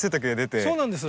そうなんです。